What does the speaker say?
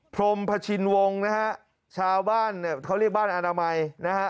พรมพชินวงศ์นะฮะชาวบ้านเนี่ยเขาเรียกบ้านอนามัยนะฮะ